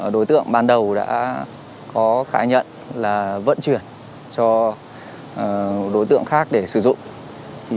đối tượng ban đầu đã có khai nhận là vận chuyển cho đối tượng khác để sử dụng